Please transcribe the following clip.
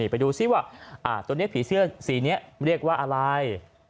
ไปดูซิว่าตัวนี้ผีเสื้อสีนี้เรียกว่าอะไร